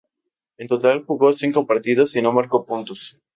En total jugó cinco partidos y no marcó puntos.